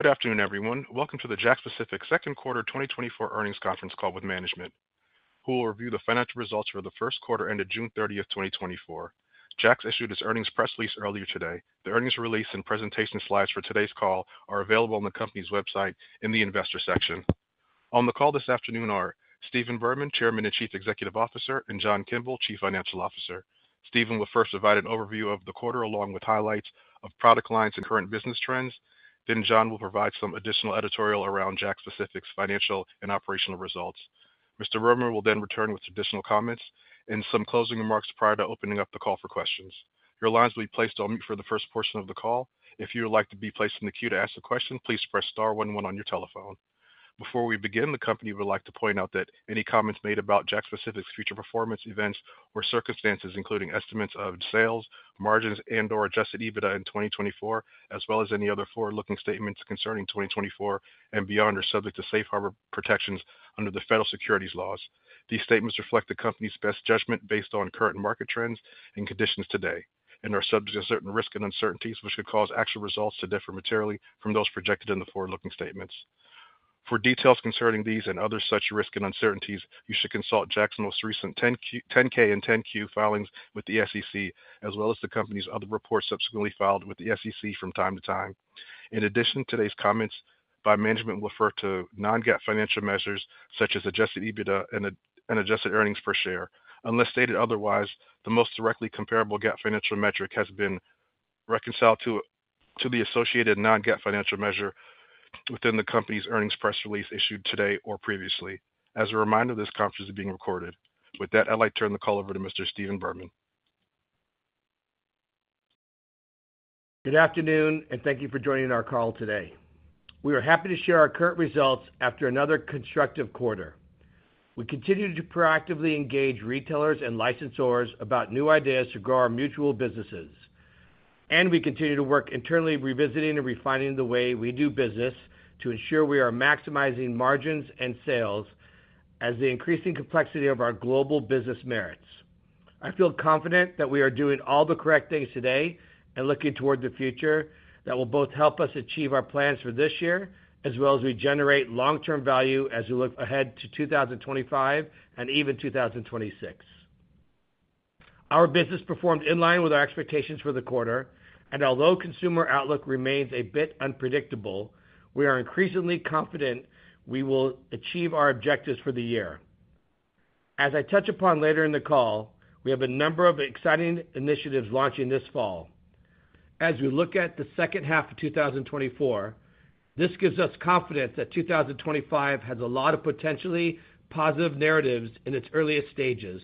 Good afternoon, everyone. Welcome to the JAKKS Pacific Second Quarter 2024 Earnings Conference call with management, who will review the financial results for the first quarter ended June 30, 2024. JAKKS issued its earnings press release earlier today. The earnings release and presentation slides for today's call are available on the company's website in the Investor section. On the call this afternoon are Stephen Berman, Chairman and Chief Executive Officer, and John Kimble, Chief Financial Officer. Stephen will first provide an overview of the quarter along with highlights of product lines and current business trends. Then John will provide some additional editorial around JAKKS Pacific's financial and operational results. Mr. Berman will then return with additional comments and some closing remarks prior to opening up the call for questions. Your lines will be placed on mute for the first portion of the call. If you would like to be placed in the queue to ask a question, please press star 11 on your telephone. Before we begin, the company would like to point out that any comments made about JAKKS Pacific's future performance, events, or circumstances, including estimates of sales, margins, and/or Adjusted EBITDA in 2024, as well as any other forward-looking statements concerning 2024 and beyond, are subject to safe harbor protections under the federal securities laws. These statements reflect the company's best judgment based on current market trends and conditions today and are subject to certain risk and uncertainties, which could cause actual results to differ materially from those projected in the forward-looking statements. For details concerning these and other such risk and uncertainties, you should consult JAKKS's most recent 10-K and 10-Q filings with the SEC, as well as the company's other reports subsequently filed with the SEC from time to time. In addition, today's comments by management will refer to non-GAAP financial measures such as adjusted EBITDA and adjusted earnings per share. Unless stated otherwise, the most directly comparable GAAP financial metric has been reconciled to the associated non-GAAP financial measure within the company's earnings press release issued today or previously. As a reminder, this conference is being recorded. With that, I'd like to turn the call over to Mr. Stephen Berman. Good afternoon, and thank you for joining our call today. We are happy to share our current results after another constructive quarter. We continue to proactively engage retailers and licensors about new ideas to grow our mutual businesses, and we continue to work internally revisiting and refining the way we do business to ensure we are maximizing margins and sales as the increasing complexity of our global business merits. I feel confident that we are doing all the correct things today and looking toward the future that will both help us achieve our plans for this year, as well as regenerate long-term value as we look ahead to 2025 and even 2026. Our business performed in line with our expectations for the quarter, and although consumer outlook remains a bit unpredictable, we are increasingly confident we will achieve our objectives for the year. As I touch upon later in the call, we have a number of exciting initiatives launching this fall. As we look at the second half of 2024, this gives us confidence that 2025 has a lot of potentially positive narratives in its earliest stages.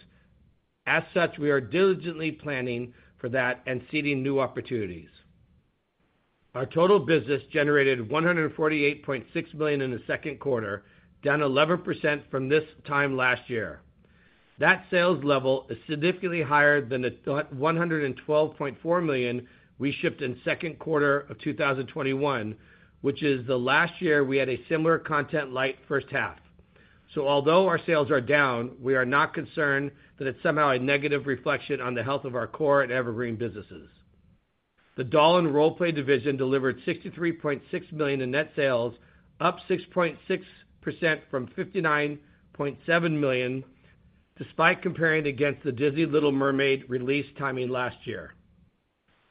As such, we are diligently planning for that and seeding new opportunities. Our total business generated $148.6 million in the second quarter, down 11% from this time last year. That sales level is significantly higher than the $112.4 million we shipped in the second quarter of 2021, which is the last year we had a similar content-light first half. So although our sales are down, we are not concerned that it's somehow a negative reflection on the health of our core and evergreen businesses. The Doll and Role Play division delivered $63.6 million in net sales, up 6.6% from $59.7 million, despite comparing against the Disney The Little Mermaid release timing last year.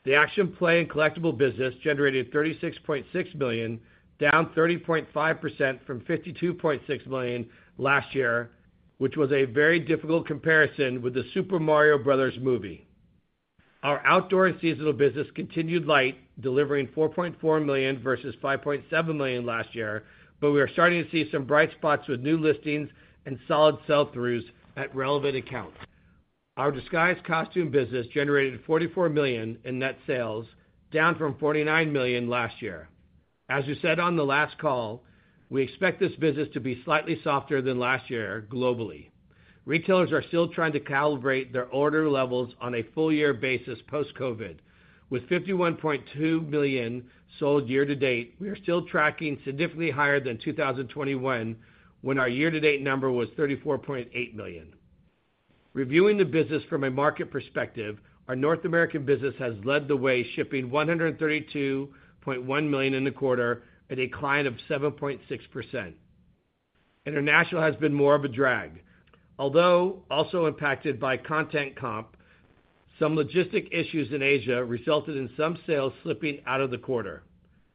The Action Play and Collectible business generated $36.6 million, down 30.5% from $52.6 million last year, which was a very difficult comparison with the Super Mario Bros. Movie. Our outdoor and seasonal business continued light, delivering $4.4 million versus $5.7 million last year, but we are starting to see some bright spots with new listings and solid sell-throughs at relevant accounts. Our Disguise costume business generated $44 million in net sales, down from $49 million last year. As we said on the last call, we expect this business to be slightly softer than last year globally. Retailers are still trying to calibrate their order levels on a full-year basis post-COVID. With $51.2 million sold year-to-date, we are still tracking significantly higher than 2021, when our year-to-date number was $34.8 million. Reviewing the business from a market perspective, our North American business has led the way, shipping $132.1 million in the quarter at a clip of 7.6%. International has been more of a drag. Although also impacted by content comp, some logistics issues in Asia resulted in some sales slipping out of the quarter.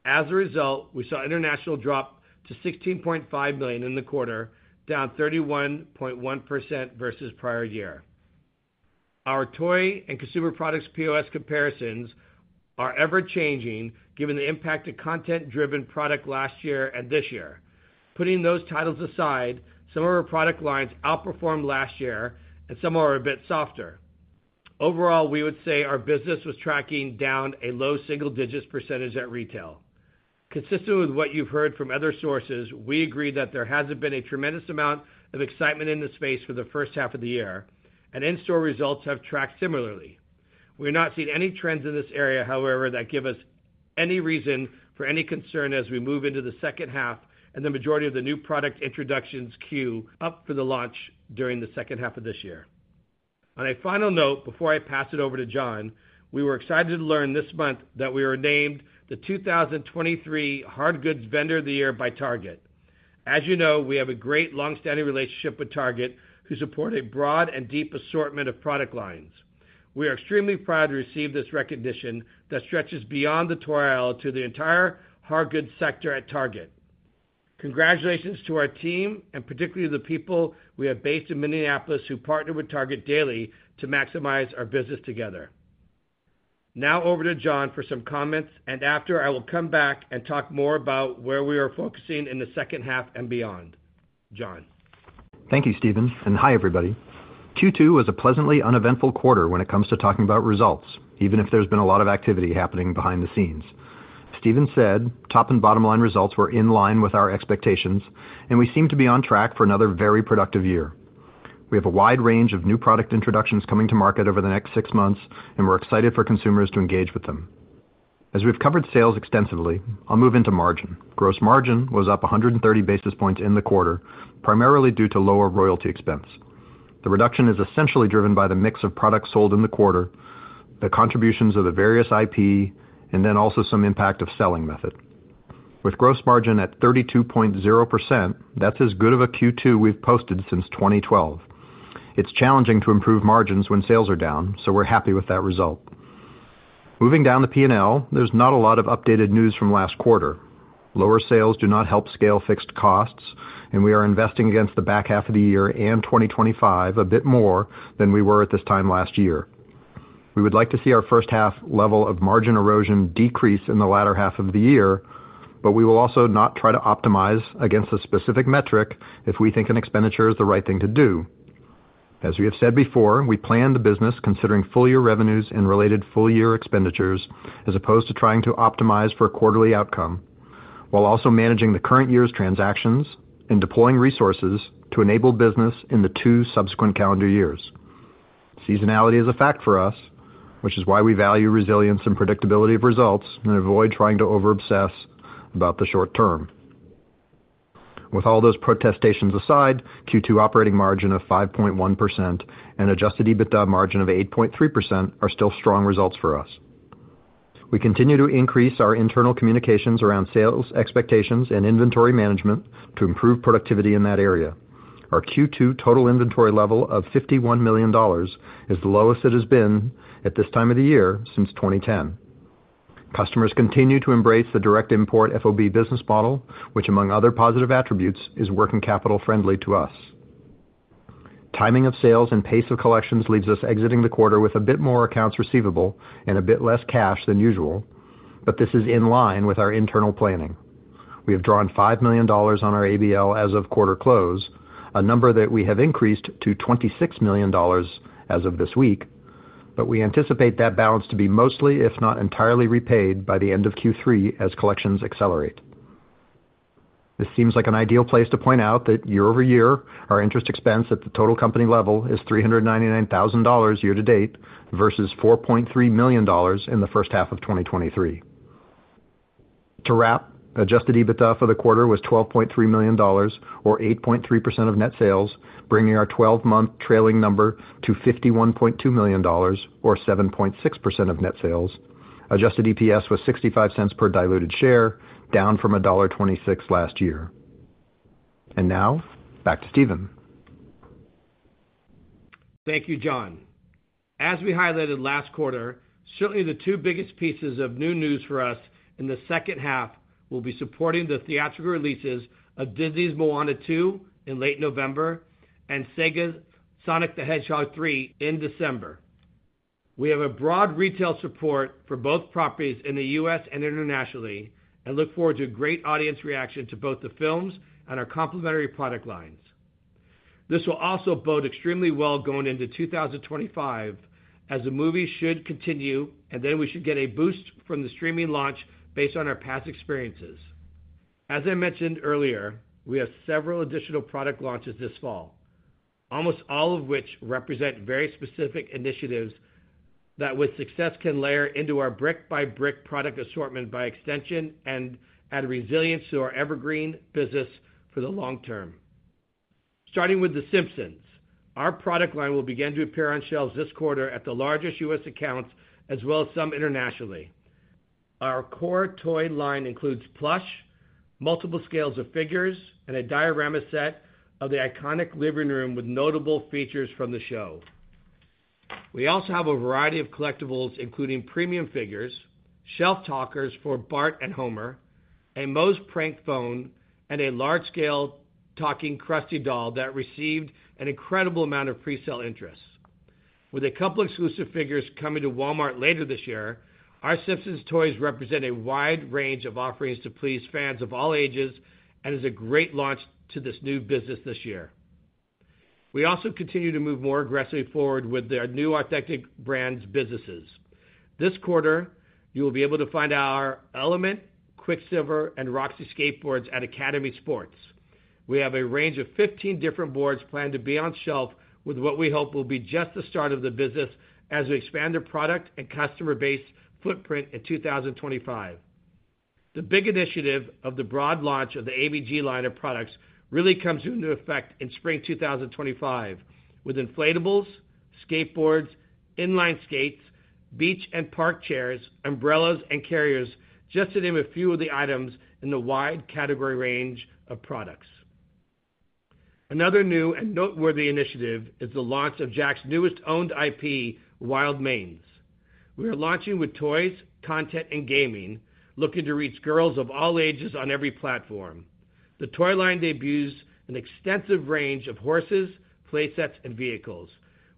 As a result, we saw international drop to $16.5 million in the quarter, down 31.1% versus prior year. Our toy and consumer products POS comparisons are ever-changing, given the impact of content-driven product last year and this year. Putting those titles aside, some of our product lines outperformed last year, and some are a bit softer. Overall, we would say our business was tracking down a low single-digit % at retail. Consistent with what you've heard from other sources, we agree that there hasn't been a tremendous amount of excitement in the space for the first half of the year, and in-store results have tracked similarly. We are not seeing any trends in this area, however, that give us any reason for any concern as we move into the second half, and the majority of the new product introductions queue up for the launch during the second half of this year. On a final note, before I pass it over to John, we were excited to learn this month that we are named the 2023 Hard Goods Vendor of the Year by Target. As you know, we have a great long-standing relationship with Target, who support a broad and deep assortment of product lines. We are extremely proud to receive this recognition that stretches beyond the toy aisle to the entire hard goods sector at Target. Congratulations to our team, and particularly the people we have based in Minneapolis who partner with Target daily to maximize our business together. Now over to John for some comments, and after, I will come back and talk more about where we are focusing in the second half and beyond. John. Thank you, Stephen, and hi, everybody. Q2 was a pleasantly uneventful quarter when it comes to talking about results, even if there's been a lot of activity happening behind the scenes. Stephen said top and bottom line results were in line with our expectations, and we seem to be on track for another very productive year. We have a wide range of new product introductions coming to market over the next six months, and we're excited for consumers to engage with them. As we've covered sales extensively, I'll move into margin. Gross margin was up 130 basis points in the quarter, primarily due to lower royalty expense. The reduction is essentially driven by the mix of products sold in the quarter, the contributions of the various IP, and then also some impact of selling method. With gross margin at 32.0%, that's as good of a Q2 we've posted since 2012. It's challenging to improve margins when sales are down, so we're happy with that result. Moving down the P&L, there's not a lot of updated news from last quarter. Lower sales do not help scale fixed costs, and we are investing against the back half of the year and 2025 a bit more than we were at this time last year. We would like to see our first half level of margin erosion decrease in the latter half of the year, but we will also not try to optimize against a specific metric if we think an expenditure is the right thing to do. As we have said before, we plan the business considering full-year revenues and related full-year expenditures as opposed to trying to optimize for a quarterly outcome, while also managing the current year's transactions and deploying resources to enable business in the two subsequent calendar years. Seasonality is a fact for us, which is why we value resilience and predictability of results and avoid trying to over-obsess about the short term. With all those protestations aside, Q2 operating margin of 5.1% and adjusted EBITDA margin of 8.3% are still strong results for us. We continue to increase our internal communications around sales expectations and inventory management to improve productivity in that area. Our Q2 total inventory level of $51 million is the lowest it has been at this time of the year since 2010. Customers continue to embrace the direct import FOB business model, which, among other positive attributes, is working capital friendly to us. Timing of sales and pace of collections leaves us exiting the quarter with a bit more accounts receivable and a bit less cash than usual, but this is in line with our internal planning. We have drawn $5 million on our ABL as of quarter close, a number that we have increased to $26 million as of this week, but we anticipate that balance to be mostly, if not entirely, repaid by the end of Q3 as collections accelerate. This seems like an ideal place to point out that year-over-year our interest expense at the total company level is $399,000 year-to-date versus $4.3 million in the first half of 2023. To wrap, adjusted EBITDA for the quarter was $12.3 million, or 8.3% of net sales, bringing our 12-month trailing number to $51.2 million, or 7.6% of net sales. Adjusted EPS was $0.65 per diluted share, down from $1.26 last year. Now, back to Stephen. Thank you, John. As we highlighted last quarter, certainly the two biggest pieces of new news for us in the second half will be supporting the theatrical releases of Disney's Moana 2 in late November and Sega's Sonic the Hedgehog 3 in December. We have a broad retail support for both properties in the U.S. and internationally and look forward to great audience reaction to both the films and our complementary product lines. This will also bode extremely well going into 2025, as the movies should continue, and then we should get a boost from the streaming launch based on our past experiences. As I mentioned earlier, we have several additional product launches this fall, almost all of which represent very specific initiatives that, with success, can layer into our brick-by-brick product assortment by extension and add resilience to our evergreen business for the long term. Starting with The Simpsons, our product line will begin to appear on shelves this quarter at the largest U.S. accounts, as well as some internationally. Our core toy line includes plush, multiple scales of figures, and a diorama set of the iconic living room with notable features from the show. We also have a variety of collectibles, including premium figures, shelf talkers for Bart and Homer, a Moe's Prank Phone, and a large-scale talking Krusty doll that received an incredible amount of pre-sale interest. With a couple of exclusive figures coming to Walmart later this year, our Simpsons toys represent a wide range of offerings to please fans of all ages and is a great launch to this new business this year. We also continue to move more aggressively forward with the new Authentic Brands' businesses. This quarter, you will be able to find our Element, Quiksilver, and Roxy skateboards at Academy Sports. We have a range of 15 different boards planned to be on shelf with what we hope will be just the start of the business as we expand the product and customer base footprint in 2025. The big initiative of the broad launch of the ABG line of products really comes into effect in spring 2025, with inflatables, skateboards, inline skates, beach and park chairs, umbrellas, and carriers just to name a few of the items in the wide category range of products. Another new and noteworthy initiative is the launch of JAKKS's newest owned IP, Wild Manes. We are launching with toys, content, and gaming, looking to reach girls of all ages on every platform. The toy line debuts an extensive range of horses, playsets, and vehicles.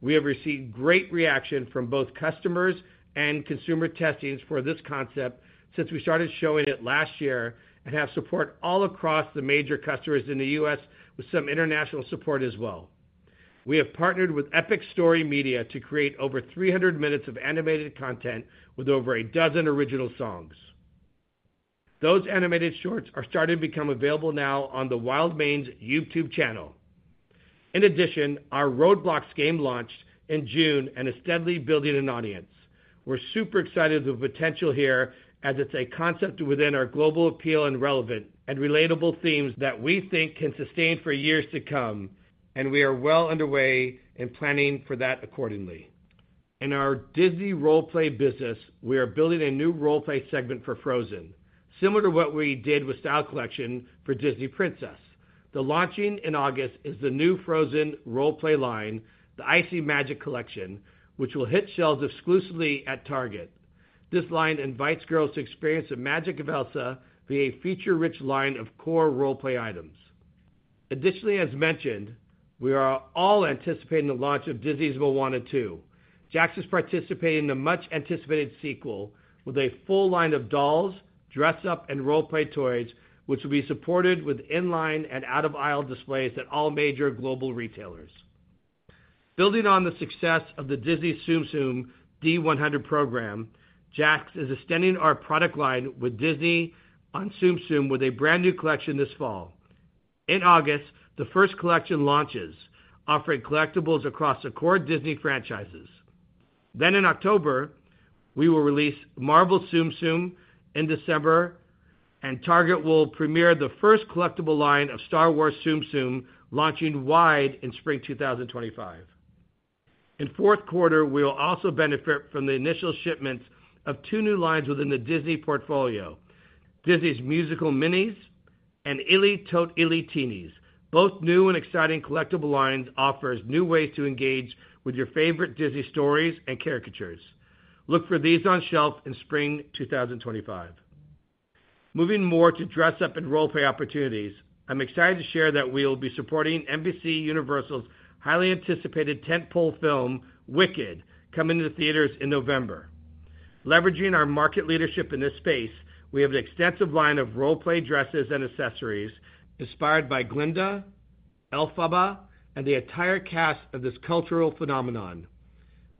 We have received great reaction from both customers and consumer testings for this concept since we started showing it last year and have support all across the major customers in the U.S., with some international support as well. We have partnered with Epic Story Media to create over 300 minutes of animated content with over a dozen original songs. Those animated shorts are starting to become available now on the Wild Manes YouTube channel. In addition, our Roblox game launched in June and is steadily building an audience. We're super excited with the potential here as it's a concept within our global appeal and relevant and relatable themes that we think can sustain for years to come, and we are well underway in planning for that accordingly. In our Disney Role Play business, we are building a new role-play segment for Frozen, similar to what we did with style collection for Disney Princess. The launching in August is the new Frozen role-play line, the Icy Magic Collection, which will hit shelves exclusively at Target. This line invites girls to experience the magic of Elsa via a feature-rich line of core role-play items. Additionally, as mentioned, we are all anticipating the launch of Disney's Moana 2. JAKKS is participating in the much-anticipated sequel with a full line of dolls, dress-up, and role-play toys, which will be supported with inline and out-of-aisle displays at all major global retailers. Building on the success of the Disney Zoom Zoom D100 program, JAKKS is extending our product line with Disney on Zoom Zoom with a brand new collection this fall. In August, the first collection launches, offering collectibles across the core Disney franchises. Then in October, we will release Marvel Zoom Zoom in December, and Target will premiere the first collectible line of Star Wars Zoom Zoom, launching wide in spring 2025. In fourth quarter, we will also benefit from the initial shipments of two new lines within the Disney portfolio: Disney's Musical Minis and ily 4EVER Tote-ily Teenies. Both new and exciting collectible lines offer new ways to engage with your favorite Disney stories and caricatures. Look for these on shelf in spring 2025. Moving more to dress-up and role-play opportunities, I'm excited to share that we will be supporting NBCUniversal's highly anticipated tentpole film, Wicked, coming to theaters in November. Leveraging our market leadership in this space, we have an extensive line of role-play dresses and accessories inspired by Glinda, Elphaba, and the entire cast of this cultural phenomenon.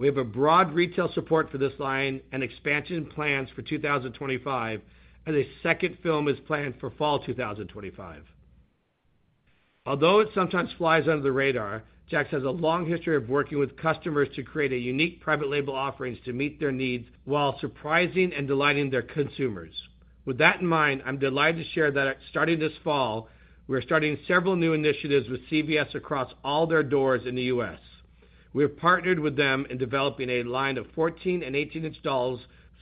We have a broad retail support for this line and expansion plans for 2025, and a second film is planned for fall 2025. Although it sometimes flies under the radar, JAKKS has a long history of working with customers to create unique private label offerings to meet their needs while surprising and delighting their consumers. With that in mind, I'm delighted to share that starting this fall, we are starting several new initiatives with CVS across all their doors in the U.S. We have partnered with them in developing a line of 14- and 18-inch dolls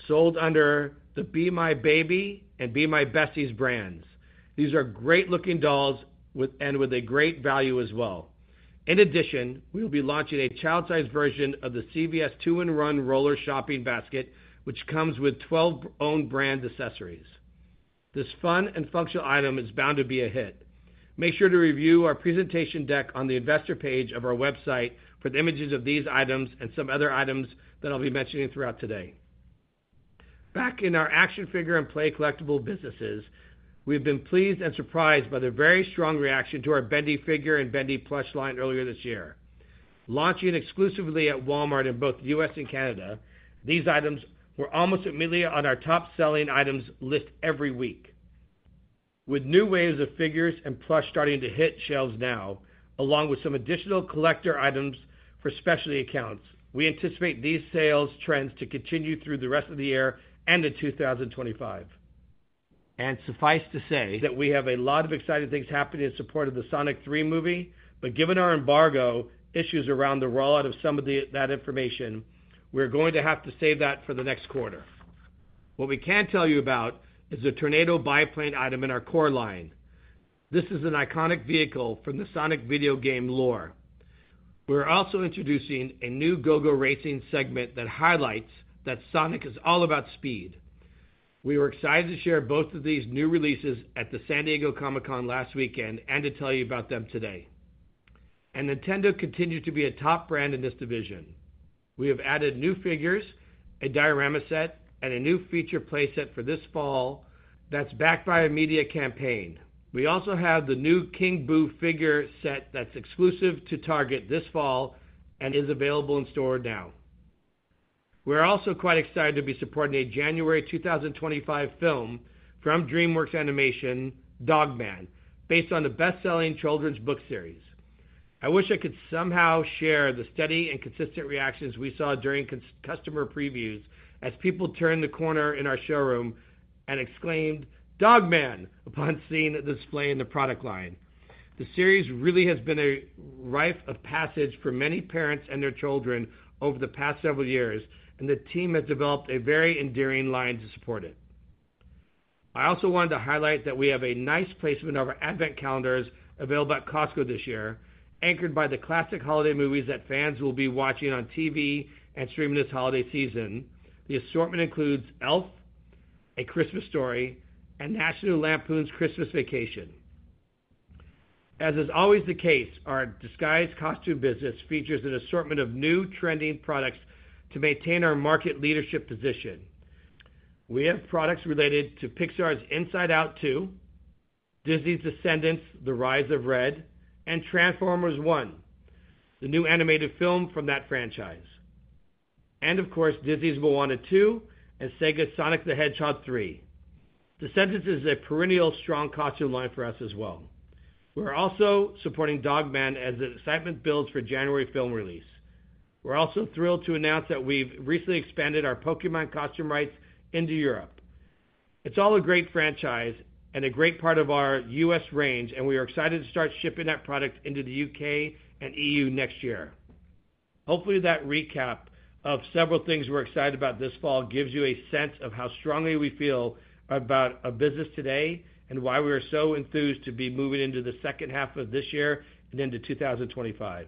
sold under the Be My Baby and Be My Bestie brands. These are great-looking dolls and with a great value as well. In addition, we will be launching a child-sized version of the CVS two-in-one roller shopping basket, which comes with 12 owned brand accessories. This fun and functional item is bound to be a hit. Make sure to review our presentation deck on the investor page of our website for the images of these items and some other items that I'll be mentioning throughout today. Back in our action figure and play collectible businesses, we have been pleased and surprised by the very strong reaction to our Bendy figure and Bendy plush line earlier this year. Launching exclusively at Walmart in both the U.S. and Canada, these items were almost immediately on our top-selling items list every week. With new waves of figures and plush starting to hit shelves now, along with some additional collector items for specialty accounts, we anticipate these sales trends to continue through the rest of the year and in 2025. Suffice to say that we have a lot of exciting things happening in support of the Sonic 3 movie, but given our embargo issues around the rollout of some of that information, we're going to have to save that for the next quarter. What we can tell you about is the Tornado Biplane item in our core line. This is an iconic vehicle from the Sonic video game lore. We're also introducing a new GoGo Racing segment that highlights that Sonic is all about speed. We were excited to share both of these new releases at the San Diego Comic-Con last weekend and to tell you about them today. Nintendo continues to be a top brand in this division. We have added new figures, a diorama set, and a new feature playset for this fall that's backed by a media campaign. We also have the new King Boo figure set that's exclusive to Target this fall and is available in store now. We're also quite excited to be supporting a January 2025 film from DreamWorks Animation, Dog Man, based on the best-selling children's book series. I wish I could somehow share the steady and consistent reactions we saw during customer previews as people turned the corner in our showroom and exclaimed, "Dog Man!" upon seeing the display in the product line. The series really has been a rite of passage for many parents and their children over the past several years, and the team has developed a very endearing line to support it. I also wanted to highlight that we have a nice placement of our advent calendars available at Costco this year, anchored by the classic holiday movies that fans will be watching on TV and streaming this holiday season. The assortment includes Elf, A Christmas Story, and National Lampoon's Christmas Vacation. As is always the case, our Disguise costume business features an assortment of new trending products to maintain our market leadership position. We have products related to Pixar's Inside Out 2, Disney's Descendants: The Rise of Red, and Transformers One, the new animated film from that franchise. And of course, Disney's Moana 2 and Sega's Sonic the Hedgehog 3. Descendants is a perennial strong costume line for us as well. We're also supporting Dog Man as the excitement builds for January film release. We're also thrilled to announce that we've recently expanded our Pokémon costume rights into Europe. It's all a great franchise and a great part of our U.S. range, and we are excited to start shipping that product into the UK and EU next year. Hopefully, that recap of several things we're excited about this fall gives you a sense of how strongly we feel about our business today and why we are so enthused to be moving into the second half of this year and into 2025.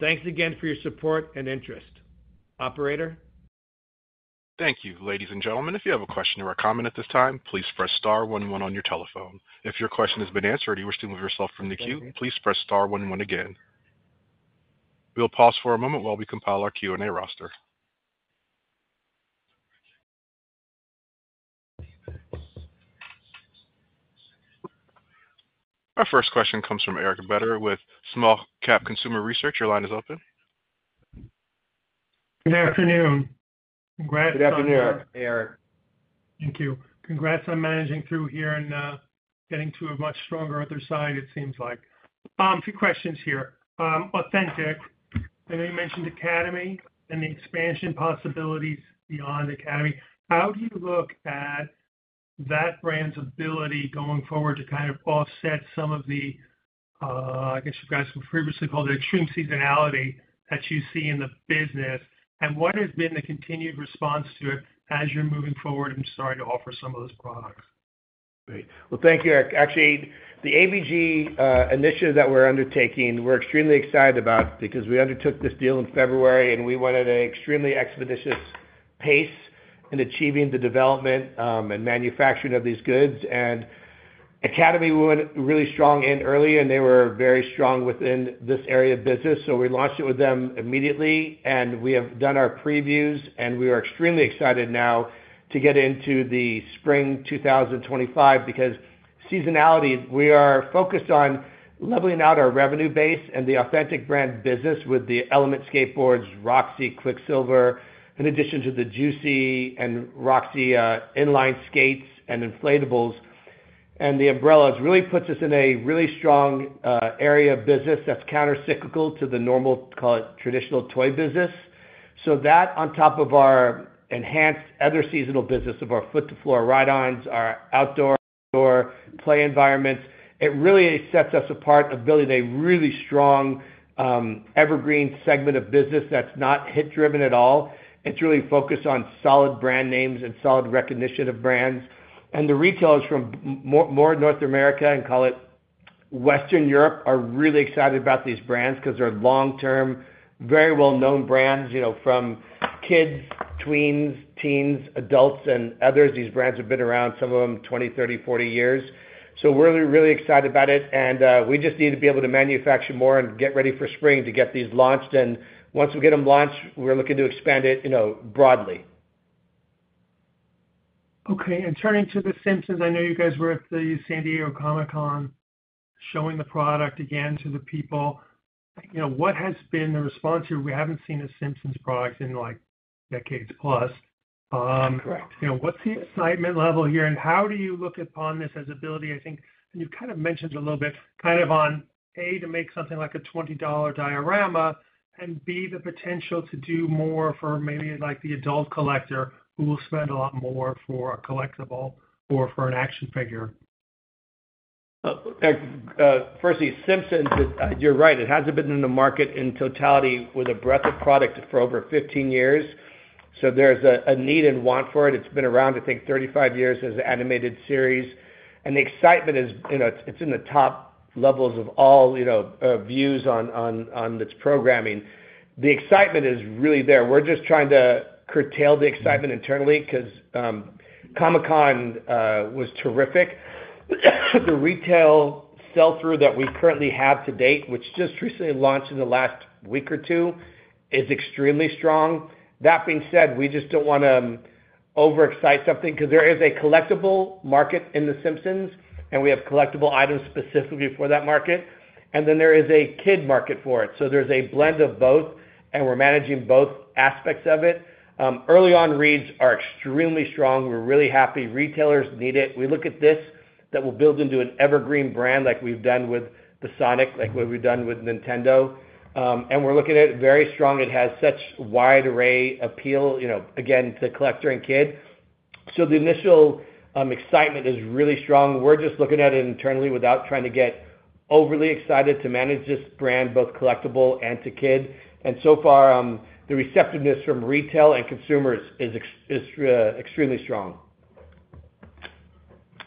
Thanks again for your support and interest. Operator. Thank you. Ladies and gentlemen, if you have a question or a comment at this time, please press star 11 on your telephone. If your question has been answered or you wish to move yourself from the queue, please press star 11 again. We'll pause for a moment while we compile our Q&A roster. Our first question comes from Eric Beder with Small Cap Consumer Research. Your line is open. Good afternoon. Congrats. Good afternoon, Eric. Thank you. Congrats on managing through here and getting to a much stronger other side, it seems like. A few questions here. Authentic, I know you mentioned Academy and the expansion possibilities beyond Academy. How do you look at that brand's ability going forward to kind of offset some of the, I guess you guys have previously called it extreme seasonality that you see in the business? And what has been the continued response to it as you're moving forward and starting to offer some of those products? Great. Well, thank you, Eric. Actually, the ABG initiative that we're undertaking, we're extremely excited about because we undertook this deal in February and we went at an extremely expeditious pace in achieving the development and manufacturing of these goods. And Academy went really strong in early and they were very strong within this area of business. So we launched it with them immediately and we have done our previews and we are extremely excited now to get into the spring 2025 because seasonality, we are focused on leveling out our revenue base and the authentic brand business with the Element skateboards, Roxy Quiksilver, in addition to the Juicy and Roxy inline skates and inflatables. And the umbrellas really puts us in a really strong area of business that's countercyclical to the normal, call it traditional toy business. So that on top of our enhanced other seasonal business of our foot-to-floor ride-ons, our outdoor play environments, it really sets us apart in building a really strong evergreen segment of business that's not hit-driven at all. It's really focused on solid brand names and solid recognition of brands. And the retailers from more North America and call it Western Europe are really excited about these brands because they're long-term, very well-known brands, you know, from kids, tweens, teens, adults, and others. These brands have been around, some of them, 20, 30, 40 years. So we're really, really excited about it. And we just need to be able to manufacture more and get ready for spring to get these launched. And once we get them launched, we're looking to expand it, you know, broadly. Okay. Turning to The Simpsons, I know you guys were at the San Diego Comic-Con showing the product again to the people. You know, what has been the response here? We haven't seen a Simpsons product in like decades plus. Correct. You know, what's the excitement level here and how do you look upon this as a liability? I think, and you kind of mentioned a little bit, kind of on, A, to make something like a $20 diorama and, B, the potential to do more for maybe like the adult collector who will spend a lot more for a collectible or for an action figure. Firstly, The Simpsons, you're right. It hasn't been in the market in totality with a breadth of product for over 15 years. So there's a need and want for it. It's been around, I think, 35 years as an animated series. And the excitement is, you know, it's in the top levels of all, you know, views on its programming. The excitement is really there. We're just trying to curtail the excitement internally because Comic-Con was terrific. The retail sell-through that we currently have to date, which just recently launched in the last week or two, is extremely strong. That being said, we just don't want to overexcite something because there is a collectible market in The Simpsons and we have collectible items specifically for that market. And then there is a kid market for it. So there's a blend of both and we're managing both aspects of it. Early-on reads are extremely strong. We're really happy. Retailers need it. We look at this that will build into an evergreen brand like we've done with the Sonic, like what we've done with Nintendo. We're looking at it very strong. It has such a wide array appeal, you know, again, to collector and kid. The initial excitement is really strong. We're just looking at it internally without trying to get overly excited to manage this brand, both collectible and to kid. So far, the receptiveness from retail and consumers is extremely strong.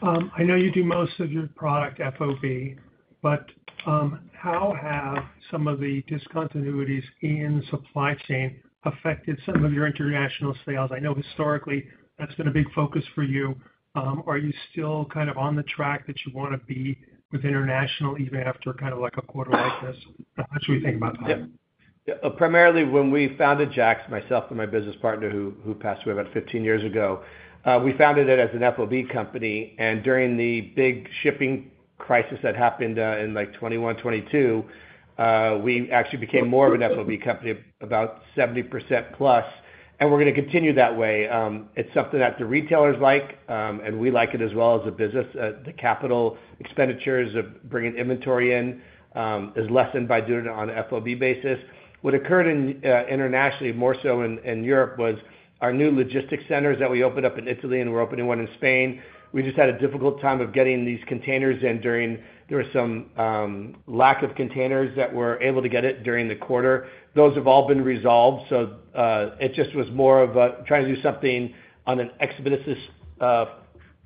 I know you do most of your product FOB, but how have some of the discontinuities in supply chain affected some of your international sales? I know historically that's been a big focus for you. Are you still kind of on the track that you want to be with international even after kind of like a quarter like this? How should we think about that? Yeah. Primarily when we founded JAKKS, myself and my business partner who passed away about 15 years ago, we founded it as an FOB company. And during the big shipping crisis that happened in like 2021, 2022, we actually became more of an FOB company, about 70% plus. And we're going to continue that way. It's something that the retailers like, and we like it as well as a business. The capital expenditures of bringing inventory in is lessened by doing it on an FOB basis. What occurred internationally, more so in Europe, was our new logistics centers that we opened up in Italy and we're opening one in Spain. We just had a difficult time of getting these containers in during there was some lack of containers that were able to get it during the quarter. Those have all been resolved. So it just was more of trying to do something on an expedited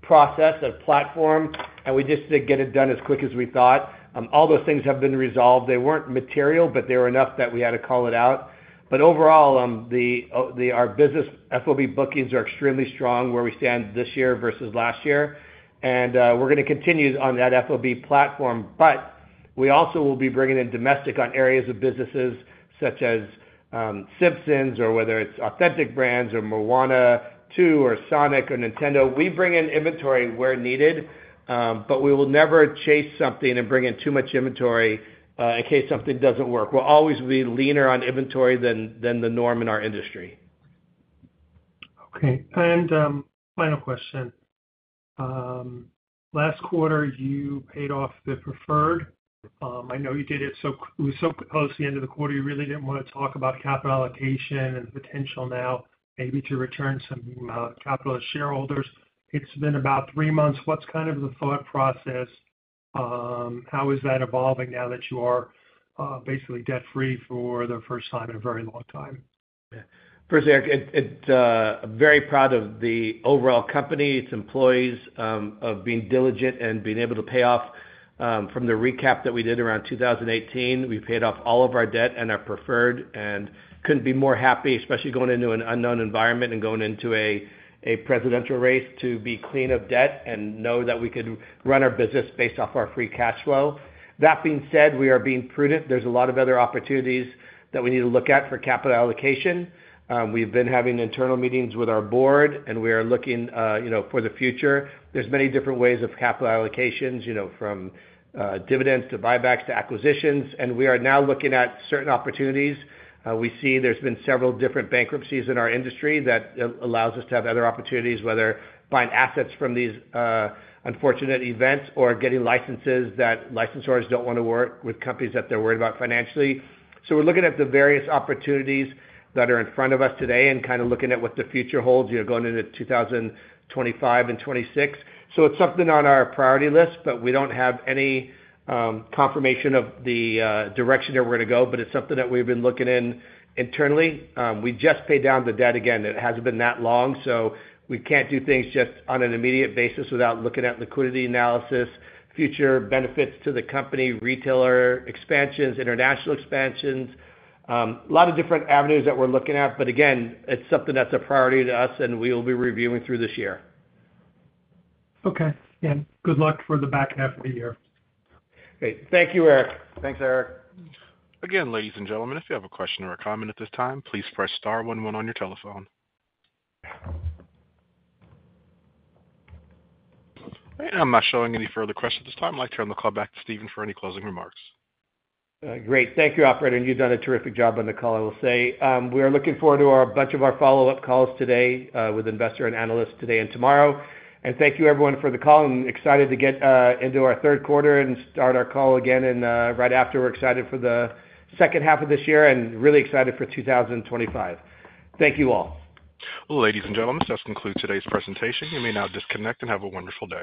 process, a platform, and we just didn't get it done as quick as we thought. All those things have been resolved. They weren't material, but they were enough that we had to call it out. But overall, our business FOB bookings are extremely strong where we stand this year versus last year. And we're going to continue on that FOB platform, but we also will be bringing in domestic on areas of businesses such as Simpsons or whether it's Authentic Brands or Moana 2 or Sonic or Nintendo. We bring in inventory where needed, but we will never chase something and bring in too much inventory in case something doesn't work. We'll always be leaner on inventory than the norm in our industry. Okay. Final question. Last quarter, you paid off the preferred. I know you did it. It was so close to the end of the quarter, you really didn't want to talk about capital allocation and the potential now maybe to return some capital to shareholders. It's been about three months. What's kind of the thought process? How is that evolving now that you are basically debt-free for the first time in a very long time? Yeah. Firstly, Eric, I'm very proud of the overall company, its employees, of being diligent and being able to pay off from the recap that we did around 2018. We paid off all of our debt and our preferred and couldn't be more happy, especially going into an unknown environment and going into a presidential race to be clean of debt and know that we could run our business based off our free cash flow. That being said, we are being prudent. There's a lot of other opportunities that we need to look at for capital allocation. We've been having internal meetings with our board and we are looking, you know, for the future. There's many different ways of capital allocations, you know, from dividends to buybacks to acquisitions. We are now looking at certain opportunities. We see there's been several different bankruptcies in our industry that allows us to have other opportunities, whether buying assets from these unfortunate events or getting licenses that licensors don't want to work with companies that they're worried about financially. So we're looking at the various opportunities that are in front of us today and kind of looking at what the future holds, you know, going into 2025 and 2026. So it's something on our priority list, but we don't have any confirmation of the direction that we're going to go, but it's something that we've been looking in internally. We just paid down the debt again. It hasn't been that long. So we can't do things just on an immediate basis without looking at liquidity analysis, future benefits to the company, retailer expansions, international expansions. A lot of different avenues that we're looking at, but again, it's something that's a priority to us and we will be reviewing through this year. Okay. Good luck for the back half of the year. Great. Thank you, Eric. Thanks, Eric. Again, ladies and gentlemen, if you have a question or a comment at this time, please press star 11 on your telephone. All right. I'm not showing any further questions at this time. I'd like to turn the call back to Stephen for any closing remarks. Great. Thank you, Operator. And you've done a terrific job on the call, I will say. We are looking forward to a bunch of our follow-up calls today with investor and analysts today and tomorrow. And thank you, everyone, for the call. I'm excited to get into our third quarter and start our call again and right after, we're excited for the second half of this year and really excited for 2025. Thank you all. Well, ladies and gentlemen, this does conclude today's presentation. You may now disconnect and have a wonderful day.